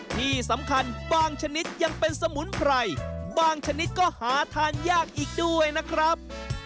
ที่สำคัญบางชนิดยังเป็นสมุนไพรบางชนิดก็หาทานยากอีกด้วยนะครับ